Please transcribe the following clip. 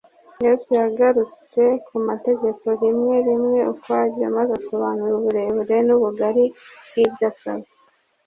yesu yagarutse ku mategeko rimwe rimwe ukwaryo, maze asobanura uburebure n’ubugari bw’ibyo asaba